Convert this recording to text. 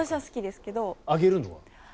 あげるのは？